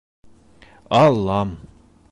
Аллам!